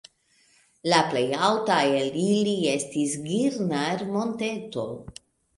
La plej alta el ili estas Girnar-Monteto.